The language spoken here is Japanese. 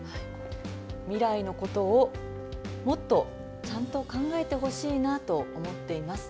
未来のことをもっとちゃんと考えてほしいなと思っています。